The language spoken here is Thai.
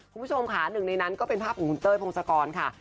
คุณผู้ชมค่ะหนึ่งในนั้นก็เป็นภาพของคุณเต้ยพงศกรค่ะ